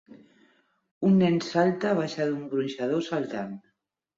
Un nen salta baixa d'un gronxador saltant.